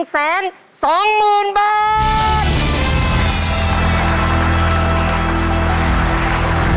๑แสน๒หมื่นบาท